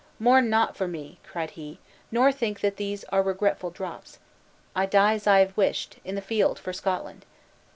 "Mourn not for me," cried he, "nor think that these are regretful drops. I die as I have wished, in the field for Scotland.